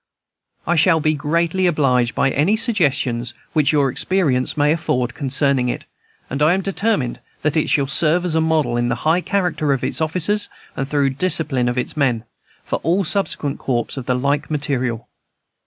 I shall be greatly obliged by any suggestions which your experience may afford concerning it, and I am determined that it shall serve as a model, in the high character of its officers and the thorough discipline of its men, for all subsequent corps of the like material.